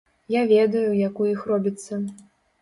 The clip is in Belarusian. Я ведаю, як у іх робіцца.